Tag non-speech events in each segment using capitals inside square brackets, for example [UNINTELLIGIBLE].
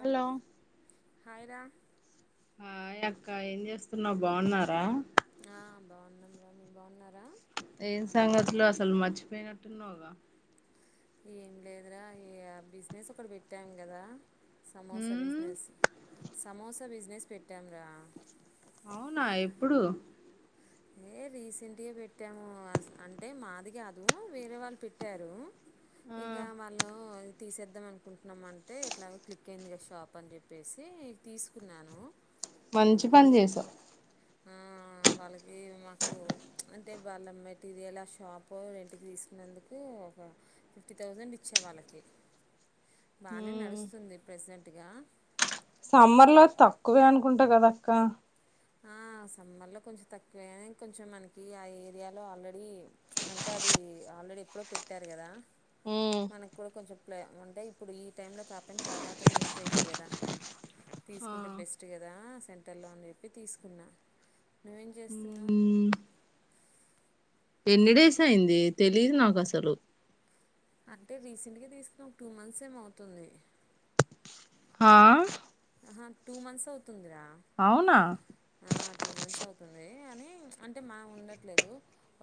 Hello hi రా hi అక్క ఏం చేస్తున్నావు బాగున్నారా ఆ బాగున్నాం రా మీ బాగున్నారా ఏం సంగతులు అసలు మర్చి పోయినట్టు ఉన్నావుగా ఏం లేదురా ఈ ఆ బిజినెస్ ఒకటి పెట్టాం కదా సమోసా ఉమ్ బిజినెస్ సమోసా బిజ బిజినెస్ పెట్టాం రా అవునా ఎప్పుడు ఏ రీసెంట్గా పెట్టాము అంటే మాది కాదు వేరే వాళ్ళు పెట్టారు ఆ ఇంకా వాళ్లు తీసేద్దాం అనుకుంటున్నామ అంటే ఎట్లాగో క్లిక్ అయింది కదా షాప్ అని చెప్పేసి తీసుకున్నాను మంచి పని చేసావు ఆ వాల ఇ మాకు అంటే వాళ్ళ మెటీరియల్ ఆ షాపు రెంట్ కి తీసుకున్నందుకు ఒక ఫిఫ్టీ థౌజండ్ ఇచా వాళ్ళకి బానే నడుస్తుంది ప్రెసెంట్ అట్టిగా సమ్మర్ లో తక్కువే అనుకుంటా కదా అక్క హ సమ్మర్లో కొంచెం తక్కువె కొంచెం మనకి ఆ ఏరియాలో ఆల్రెడీ అంటే అది ఆల్రెడీ ఎప్పుడో పెట్టారు కదా మనకు కూడా కొంచెం ప్లే అంటే ఇప్పుడు ఈ టైంలో కాపాయిన తర్వాత యూజ్ అవుది కదా ఆ తీసుకుంటే బెస్ట్ కదా సెంటర్లో అని చెప్పి తీసుకున్నా నువ్వేం చేస్తున్నావు ఎన్ని డేస్ అయింది తెలీదు నాకు వసూలు అంటే రీసెంట్గా తీసుకున్న ఒక టూ మంత్స్ ఏమో అవుతుంది ఆ హ టూ మంత్స్ ఉందిరా అవునా హ టూ మంత్స్ అవుతుంది అని అంటే మా ఉండట్లేదు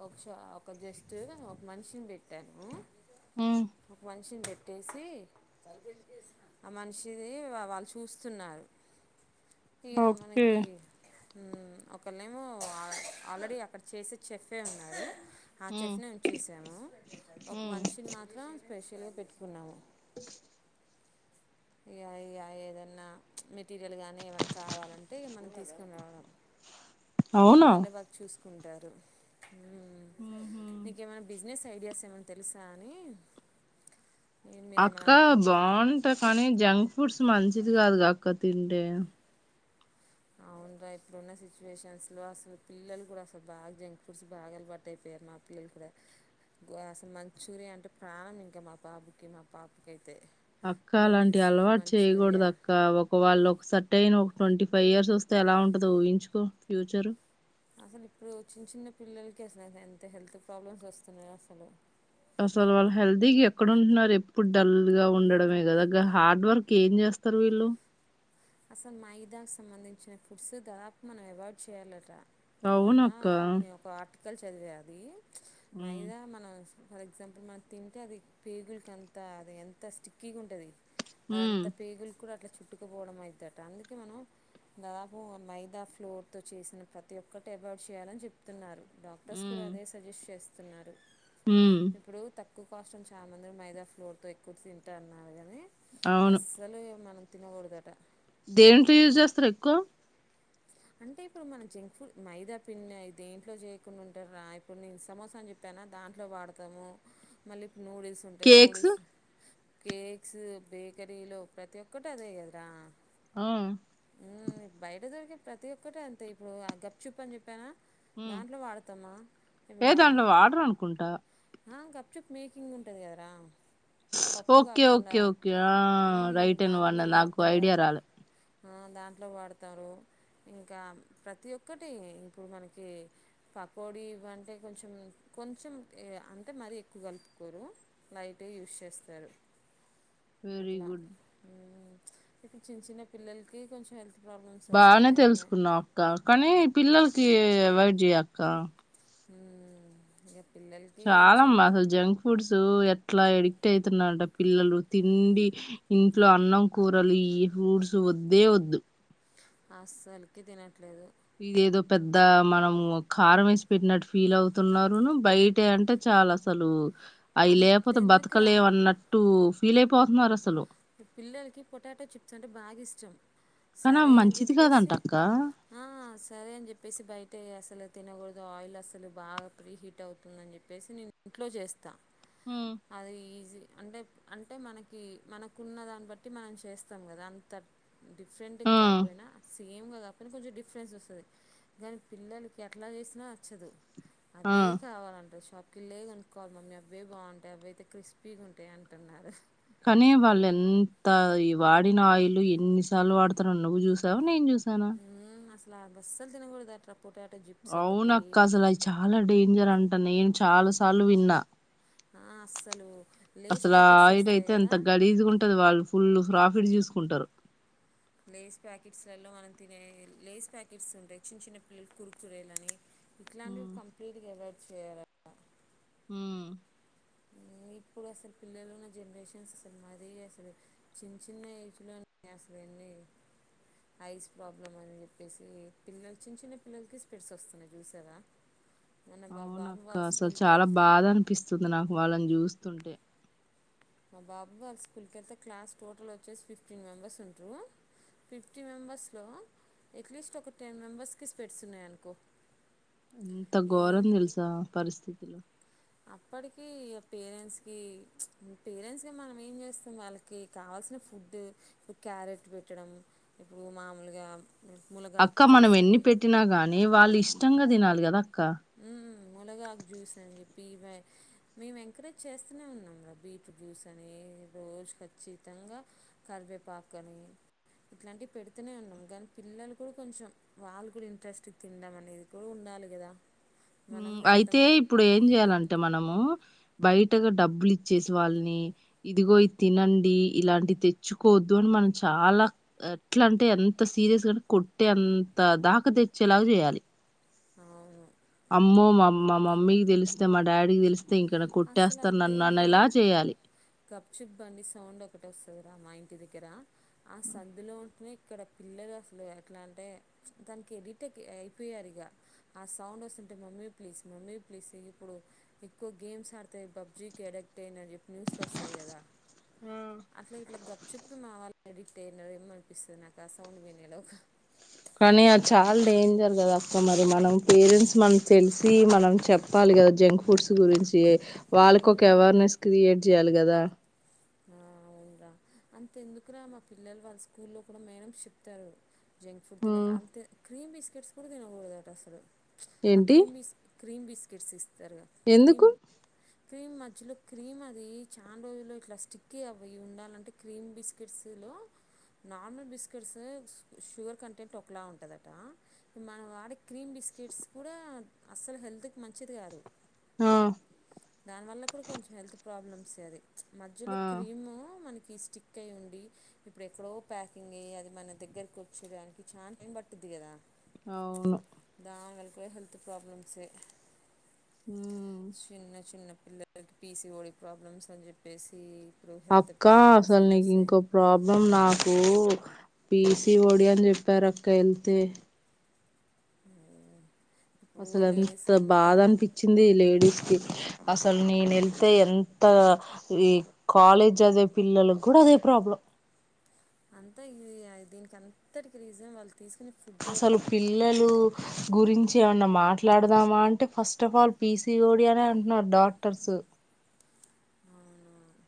ఒక ష ఒక జస్ట్ ఒక మనిషిని పెట్టాను ఒక మనిషిని పెట్టేసి ఆ మనిషిది వాళ్ళు చూస్తున్నారు ఇ ఓకే మనకి ఒకేళేమో ఆల్రెడీ అక్కడ చేసే చెఫే ఉన్నాడు ఆ చెఫిని ఉంచేసాము ఒక మనిషిని మాత్రం స్పెషల్ పెట్టుకున్నాము యా యా ఏదైనా మెటీరియల్ కానీ ఏమైనా కావాలంటే మనం తీసుకుని రావడం ఇ వాళ్ళే చూసుకో ఉంటారు హ హ ఐడియాస్ ఏమైనా తెలుసా అని అక్క మీరేమైనా అనుకు బాగుంటది కానీ జంక్ ఫుడ్స్ మంచిది గాదు గా అక్క తింటే అవును రా ఇప్పుడున్న సిచువేషన్స్ లో అసలు పిల్లలు కూడా అసలు బాగా జంక్ ఫుడ్స్ బాగా అలవాటు అయిపోయారు మా పిల్లలు కూడా అసలు మంచూరియా అంటే ప్రాణం ఇంకా మా బాబుకి మా పాపకి అయితే అక్క అలాంటి అలవాటు చేయకూడదు అక్క ఒక వాళ్ళు ఒక సటైన్ ట్వంటీ ఫైవ్ ఇయర్స్ వస్తే ఎలా ఉంటదో ఊహించుకో ఫ్యూచర్ అసలు ఇప్పుడు చిన్న చిన్న పిల్లలకి అసలు ఎంత హెల్త్ ప్రాబ్లమ్స్ వస్తున్నాయి అసలు అసలు వాళ్ళు హెల్దీ ఎక్కడ ఉంటున్నారు ఎప్పుడు డల్ గా ఉండడమే గదా గ హార్డ్ వర్క్ ఏం చేస్తారు వీళ్ళు అసలు మైదా కు సంబంధించిన ఫుడ్స్ దాపు మనం అవాయిడ్ చేయాలట ఏమన్నా అవునక్క నీ ఒక ఆట్ పక్కలు చదివే అది ఉమ్, మైదా మనస్ ఫర్ ఎగ్జాంపుల్ మనం తింటే అది పేగులకి అంతా అది ఎంత స్టిక్కీగా ఉంటది అది ఉమ్, అంత పేగులు కూడా అట్లా చుట్టుకు పోవడం మై థాట్ అందుకే మనం దాపు మైదా ఫ్లోర్తో చేసిన ప్రతి ఒక్కటి అవాయిడ్ చేయాలని చెప్తున్నారు డాక్టర్స్ కూడా ఉమ్, అదే సజెస్ట్ చేస్ తున్నారు ఉమ్, ఇప్పుడు త ఎక్కువ కాస్ట్ అని చాల మంది మైదా ఫ్లోర్ తో ఎక్కువ తింటా అన్నారు గా అవును అసలే మనకు తినకూడదట దేంట్లో యూజ్ చేస్తారు ఎక్కువ అంటే ఇప్పుడు మన జంక్ ఫుడ్ మైదా పిండి అయితే దేంట్లో చేయకుండా ఉంటారా ఇప్పుడు నేను సమోసా అని చెప్పాను దాంట్లో వాడతాము మళ్ళీ నూడిల్స్ ఉంటాయి కేక్స్ నూడిల్స్ కేక్స్ బేకరీలో ప్రతి ఒక్కటి అదే కదరా ఆ మ్మ్, బయట దొరికే ప్రతి ఒక్కటి అంతే ఇప్పుడు ఆ గప్ చుప్ అని చెప్పానా ఉ దాంట్లో వాడతామా ఇప్పుడు ఏ మనం దాంట్లో వాడరు అనుకుంటా ఆ గప్ చుప్ మేకింగ్ ఉంటది కదరా పప్పు ఓకే కాకుండా ఓకే ఓకే ఆ మ్మ్ రైటే నువు అన్నది నాకు ఐడియా రాలే ఉ దాంట్లో వాడుతారు ఇంకా ప్రతి ఒక్కటి ఇప్పుడు మనకి పకోడి ఇవ్వి అంటే కొంచెం కొంచెం అంటే మరీ ఎక్కువ కలుపుకోరు లైటే యూస్ చేస్తారు వెరీ అట్లా గుడ్ ఉ ఇప్పు చిన్న చిన్న పిల్లలకి కొంచం హెల్త్ ప్రాబ్లమ్స్ వస్ తెలుసుకున్నా అక్క కానీ పిల్లలకి అవైడ్ జేయ్ అక్క ఉ ఎప్ చాలా అమ్మా అసలు జంక్ ఫుడ్స్ ఎ ట్లా ఎడిక్ట్ అయితున్నరట పిల్లలు తిండి ఇంట్లో అన్నం కూరలు ఈ ఫూడ్స్ వద్దే వద్దు అసలుకి తినట్లేదు ఇది ఏదో పెద్ద మనము కారం వేసి పెట్టినట్టు ఫీల్ అవుతున్నరును బయట అంటే చాలా అసలు అయి లేపోతే అంతెందుకురా బతకలేమన్నట్టు ఫీలయిపోతున్నారు అసలు పిల్లలకి పొటాటో చిప్స్ అంటే బాగా ఇష్టం కానీ అవి సరే అని మంచిది కాదంట చెప్పేసి అక్క ఆ సరే అని చెప్పేసి బయ్ అసలు తినకూడదు ఆయిల్ అసలు బాగా ప్రీ హీట్ అవుతుంద అని చెప్పేసి నేను ఇంట్లో చేస్తాను అదె ఈజీ అంటే అంటే మనకి మన కున్న దాన్ని బట్టి మనం చేస్తాం కదా అంత ఆ డిఫరెంట్కాపోయినా సేమ్ కద కని కొంచెం డిఫరెన్స్ వస్తది కానీ పిల్లలకి ఎట్లా చేసినా నచ్చదు ఆ అదే కావాలంట షాప్ కిల్లే కొనుక్కోవాలి మమ్మీ అబ్బయి బాగుంటాయి అబ్బయయితే క్రిస్పీగుంటాయి అంటున్నారు కానీ వాళ్ళు ఎంత ఈ వాడిన ఆయిల్ ఎన్నిసార్లు వాడతారో నువ్వు చూసావా నేను చూస సనా లాగస్సల్ తినగుడదట్ల అవున అక్క అసలు అయి చాలా డేంజర్ అంటే అ నేను చాలా సార్లు విన్నా ఆ అస్సలు లేస్ అసలు ఆ ప్యాకెట్స్ ఆయిల్ వస్తాయి కదా అయితే గాలిస్గున్టది వాళ్ళు ఫుల్ ప్రాఫిట్ చూసుకుంటరు లేస్ ప్యాకెట్స్లలో మనం తినే లేస్ ప్యాకెట్స్ ఉంటాయి చిన్న చిన్న పిల్లలు కురుకుచురేలని ఇట్లాంటివి ఉమ్ కంప్లీట్ గ అవా చేయరట్నా ఉమ్ ఇప్పుడు అసలు పిల్లలు ఉన్న జనరేషన్స్ అసలు మరీ అసలు చిన్న చిన్న ఏజ్లోనే అసలు ఎన్ని ఐస్ ప్రాబ్లమ్ అని చెప్పేసి పిల్లలు చిన్న చిన్న పిల్లలకి స్పెట్స్ వస్తున్నాయి చూసారా మొన్న మా బాబు అవునక్క వాళ్ళ అసలు స్కూల్కి చాలా వెళ్తే బాధ అనిపిస్తుంది నాకు వాళ్ళని చూస్ తుంటే మా బాబాు వాళ్ళ స్కూల్కి వెళ్తే క్లాస్ టోటల్ వచ్చేసి ఫిఫ్టీమెంబెర్స్ ఉంట్రు ఫిఫ్టీ మెంబెర్స్లో ఎట్లీస్ట్ ఒక టెన్ మెంబెర్స్కి స్పెట్స్ ఉన్నాయి అనుకో ఎంత ఘోరం తెలుసా పరిస్థితిలు అప్పటికిీ ఇగ పేరెంట్స్కి పేరెంట్స్కి మనం ఏం చేస్తాం వాళ్ళకి కావాల్సిన ఫుడ్డు ఇప్పుడు క్యారెట్ పెట్టడం ఇప్పుడు మామూలుగా మునగాకు అక్క మనం జ్యూస్ ఎన్ని అని పెట్టినా గాని వాళ్ళ ఇష్టంగా తినాలి కదా అక్క ఉ మూలగాకు జూస్ అని చెప్ పీవ మేము ఎంకరేజ్ చేస్తూనే ఉన్నాము రా బీట్రూట్ జ్యూస్ అని రోజు ఖచ్చితంగా కరివేపాకు అని ఇట్లాంటివి పెడుతూనే ఉన్నాము కానీ పిల్లలు కూడా కొంచెం వాళ్ళు కూడా ఇంట్రెస్ట్ తిందాం అనేది కూడా ఉండాలి కదా మనం ఊమ్ ఎంత అయితే ఇప్పుడు ఏం చెయాలంటే మనము బయటగా డబ్బులు ఇచ్చేసి వాళ్ళని ఇదిగో ఇ తినండి ఇలాంటివి తెచ్చుకోవద్దు అని మనం చాలా ఎట్లా అంటే ఎంత సీరియస్గా కొట్టే అంత దాక తెచ్చేలాగా జేయాలి అవును అమ్మో మా మా మమ్మీకి దెలిస్తే మా డాడీకి తెలిస్ అసలు అదేంటో చేయాలి. గప్చిబండి సౌండ్ ఒకటి ఒస్తది అ మా ఇంటి దగ్గర ఆ సందులో ఉంట్నే ఇక్కడ పిల్లలు అసలు ఎట్లా అంటే దానికి ఎడిటెక్ అయిపోయారు ఇగ ఆ సౌండ్ వస్తుంటే మమ్మీ ప్లీజ్ మమ్మీ ప్లీజస్ ఇప్పుడు ఎక్కువ గేమ్స్ ఆడ్తే పబ్జీకి ఎడక్ట్ అయి అని చెప్పి న్యూస్లో ఒస్తది గదా అట్లా ఇట్లా గప్చుప్ మావాలు అడిక్ట్ అయియమో అనిపిస్తది నాకు ఆ సౌండ్ వినే లోపు కానీ అది చాలా డేంజర్ కదా అక్క మరి మనం పేరెంట్స్ మనం తెలిసి మనం చెప్పాలి గదా జంక్ ఫుడ్స్ గురించి వాళ్ళకి ఒక అవేర్నెస్ క్రియేట్ జేయాలి గదా ఆ అవునురా అంతే ఎందుకు రా మా పిల్లలు వాళ్ళ స్కూల్లో కూడా మేడమ్స్ చెప్తారు జంక్ ఫుడ్ తినక హ్మ్. అంత క్రీమ్ బి కిట్స్ కూడా దినకూడదాటసలు అ ఏంటి? క్రీం బిస్ క్రీమ్ బిస్కెట్స్స్తే జరగా క్రీమ్ ఎందుకు? క్రీమ్ మధ్యలో క్రీమ్ అది చానా రోజులు ఇట్లా స్టిక్కీ అవ ఉండాలంటే క్రీమ్ బిస్కెట్స్లో నార్మల్ బిస్కెట్స్ షుగర్ కంటెంట్ ఒకలా ఉంటదట మనం వాడే క్రీమ్ బిస్కెట్స్ కూడా అస్సలు హెల్త్కు మంచిది కాదు ఆ దానివల్ల కూడా కొంచెం హెల్త్ ప్రాబ్లమ్స్ ఏ అది మధ్యలో ఆ క్రీము మన స్టిక్ అయ్య ఉండి ఇప్పుడు ఎక్కడో ప్యాకింగ్ అయ్యి అది మన దగ్గరకి వచ్చేదానికి చాన్ టైమ్ పట్టుది గదా అవును కె హెల్త్ ప్రాబ్లమ్స్ ఏ ఉమ్ చిన్న చిన్న పిలలకి పీసీఓడి ప్రాబ్లమ్స్ అని జెప్పేసి అక్క అసలు నీకు ఇంకో ప్రాబ్లం నా ఓ పీసీఓడి అని చెప్పారు అక్క ఎళ్తే ఆవున అసలు ఎంత బాధ అనిపించింది లేడీస్ కి అసలు నేనెళ్తే ఎంత ఈ కాలేజ్ అదే పిల్లల గూడా అదే ప్రాబ్లం అంతా ఇది ఆ దీనికి అంతటికి రీజన్ వాళ్ అసలు పిల్లలు గురించి ఏమన్నా మాట్లాడదామా అంటే first of all P C O D అనే అంటున్నారు డాక్టర్స్ అవును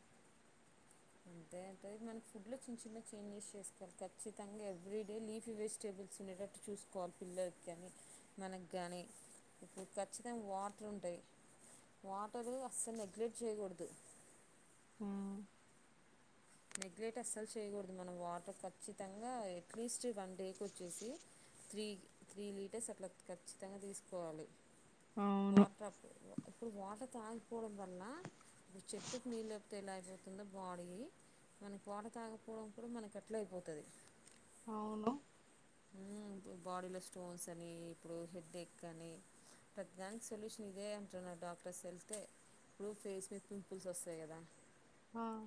అంతే అంటే మనం ఫుడ్లో చిన్న చిన్న చేంజెస్ చేసుకోవాలి ఖచ్చితంగా ఎవ్రీడే లీఫీ వెజిటేబుల్స్ ఉండేటట్టు చూసుకోవాలి పిల్లలకు కానీ మనకు కానీ ఇప్పుడు ఖచ్చితంగా వాటర్ ఉంటాయి వాటర్ అస్సలు నెగ్లెట్ చేయకూడదు నెగ్లెక్ట్ అస్సలు చేయకూడదు మనం వాటర్ ఖచ్చితంగా అట్లీస్ట్ వన్ డేకి వచ్చేసి త్రీ త్రీ లీటర్స్ అట్లా ఖచ్చితంగా తీసుకోవాలి అవును వాటర్ ఇప్పుడు వాటర్ తాగికపోవడం వల్ల ఇప్పుడు చెట్టుకు నీళ్ళు లేకపోతే ఎలా అయిపోతుందో బాడీ మనకి వాటర్ తాగపోవడం కూడా మనకు అట్లా అయిపోతాది అవును ఊ బాడీలో స్టోన్స్ అని ఇప్పుడు హెడ్ఎక్ అని ప్రతిదానికి సొల్యూషన్ ఇదే అంటున్నారు డాక్టర్స్ వెళ్తే ఇప్పుడు ఫేస్ మీద పింపుల్స్ వస్తాయి కదా హ్మ్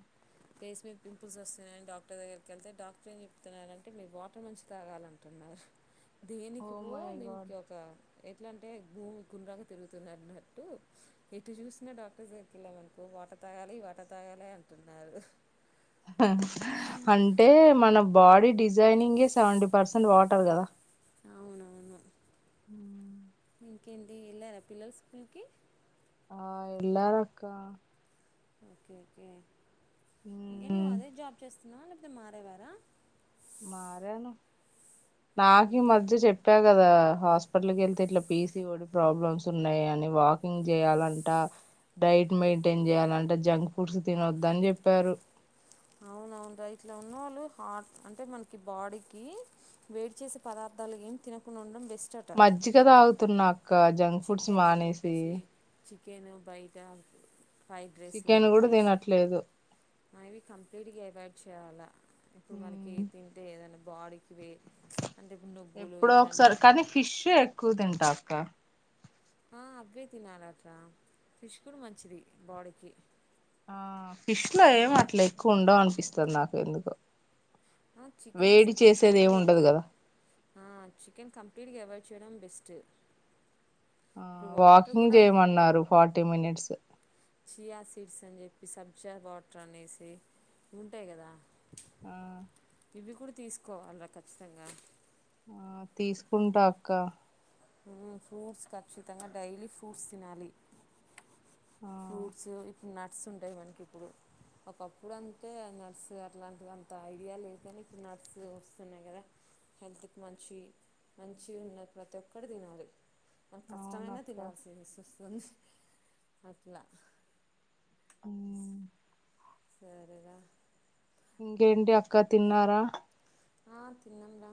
ఫేస్ మీద పంపుల్స్ వస్తున్నాయని డాక్టర్ దగ్గరికి వెళ్తే డాక్టర్ ఏం చెప్తున్నారు అంటే మీరు వాటర్ మంచిగా తాగాలని అంటున్నారు దేనికి ఓ పో మై గాడ్ దీనికి ఒక ఎ ఎట్లా అంటే భూమి గుండ్రంగా తిరుగుతుంది అన్నట్టు ఎటు చూసిన డాక్టర్స్ దగ్గరికీ వెళ్ళామనకో వాటర్ తాగాలి వాటర్ తాగాలి అంటున్నారు అంటే మన బాడీ డిజ్ రైనింగ్ ఎ సెవెంటీ పర్సెంట్ వాటర్ కదా అవునవును హ ఇంకేంటి వెళ్ళారా పిల్లలు స్కూల్కి ఆ వెళ్ళారు అక్క ఓకే ఓకే ఇంకేం నువ్వు మ్మ్ అదే జాబ్ చస్తా నాలుక మారేవార మారాను నాకు ఈ మధ్య చెప్పా కదా హాస్పిటల్కి వెళ్తే ఇట్లా పీసిఓడి ప్రాబ్లమ్స్ ఉన్నాయ అని వాకింగ్ చేయాలంట డైట్ మెయింటైన్ చేయాలంట జంక్ ఫుడ్స్ తినొద్దు అని చెప్పారు అవున అవును డైట్ లో ఉన్నవాళ్ళు హార్ట్ అంటే మనకి బాడీకి వెయిట్ చేసే పదార్థాలు ఏమి తినకుండా ఉండడం బెస్ట్ అట మజ్జిగ తాగుతున్నా ఇక జంక్ ఫుడ్స్ చికెన్ అని మానేసి చెప్పేసి చికెన్ ఉ బయట ఫైవ్ డ్రెస్లు అని చికెన్ కూడా చెప్పేసి తినట్లేదు అవి కంప్లీట్గా అవాయిడ్ చాలా ఇప్పుడు మనకి ఉమ్ తింటే ఏదనమ్ బాడీకి వే అంటే ఇప్పుడు నువ్వులు ఎప్పుడో ఒకసారి ఇట్లాంటివి కానీ ఫిష్ ఎక్కువ తింటా క్క ఆ అవ్వె తినాలి అక్క ఫిష్ కూడా మంచిది బాడీకి ఆ ఫిష్ లో ఏమ్ అట్లా ఎక్కువ ఉండవు అనిపిస్తు దక [UNINTELLIGIBLE] నాకుఎందుకో ఆ చికెన్ అసలు కప్లీట్ గా ఎవ్ ఉండదు కదా ఆ చికెన్ కప్లీట్ గా ఎవైడ్ వుంచడం బెస్ట్ ఆ ఇప్పుడు వాటర్ వాకింగ్ కూడా చేయమన్నారు ఫార్టీ మినిట్స్ చయా సీడ్స్ అని చెప్పి సబ్జా వాటర్ అనేసి ఉంటాయి కదా ఆ ఇవి కూడా తీసుకోవాలరా ఖచ్చితంగా ఆ తీసుకుంటా అక్క ఫ్రూట్స్ ఖచ్చితంగా డైలీ ఫ్రూట్స్ తినాలి. ఆ ఫ్రూట్స్ ఇ నట్స్ ఉంటాయి మనకి ఇప్పుడు ఒకప్పుడు అంతే నట్స్ అట్లాంటివి అంత ఐడియా లేదు కానీ ఇప్పుడు నర్స్ వస్తున్నాయి కదా హెల్త్కి మంచి మంచి ఉన్నది ప్రతి ఒక్కరు తినాలి. మన కష్టమైన అవునక్క తినల్సింది. కొను అట్లా ఉమ్, [INAUDIBLE] సరే రా ఇంకేంటి అక్క తిన్నారా ఆ తిన్నం రా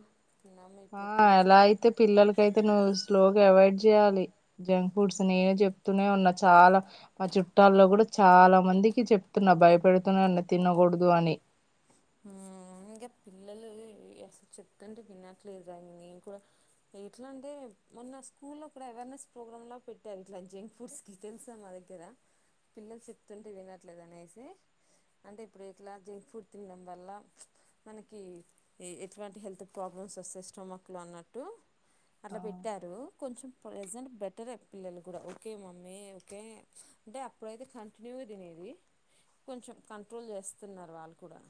ఆ ఎలా అయితే పిల్లలకైతే నువ్వు స్లో అవాయిడ్ చేయాలి జంక్ ఫుడ్స్ నేను చెప్తూనే ఉన్నా చాలా మా చుట్టాల్లో కూడా చాలా మందికి చెప్తున్నా భయపెడుతూనే ఉన్నా తినకూడదు అని హు ఇంకా పిల్లలు అసలు చెప్తుంటే వినట్లేదు రానీ ఇ కూడా ఎట్లా అంటే మొన్న స్కూ లో కూడా అవేర్నెస్ ప్రోగ్రామ్లా పెట్టారు ఇట్లా జంక్ ఫుడ్స్ గి తెలుసా మా దగ్గర పిల్లలు చెప్తుంటే వినట్లేదు అనేసి అంటే ఇప్పుడు ఇట్లా జంక్ ఫుడ్ తినడం వల్ల మనకి ఎటువంటి హెల్త్ ప్రాబ్లమ్స్ వస్తాయి స్టోమక్లు అన్నట్టు అట్లా ఆ పెట్టారు. కొంచెం ప్రజెంట్ బెటరే పిల్లలు కూడా ఓకే మమ్మీ ఓకే అంటే అప్పుడైతే కంటిన్యూ తినేది కొంచెం కంట్రోల్ చేస్తున్నారు వాళ్ళకు కూడా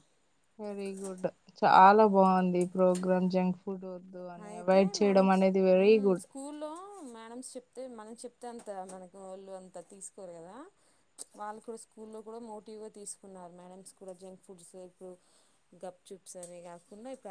వెరీ గుడ్ చాలా బాగుంది. ఈ ప్రోగ్రామ్ జంక్ పుడ్ వద్దు అని అయితే అవైడ్ చేయడం మేడమ్స్ అనేది వెరీ మ్మ్ గుడ్ స్కూల్లో మేడమ్స్ చెప్తే మనం చెప్తే అంత మనకు వాళ్ళు అంత తీసుకోరు కదా వాళ్ళు కూడా స్కూల్లో కూడా మోటివ్గా తీసుకున్నారు. మేడమ్స్ కూడా జంక్ ఫుడ్స్ ఇప్పుడు గప్ చూప్స్ అని కాకుండాప్పు